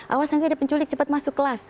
awas nanti ada penculik cepat masuk kelas